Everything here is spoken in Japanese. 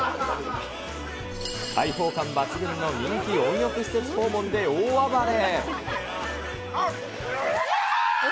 開放感抜群の人気温浴施設訪問で、大暴れ。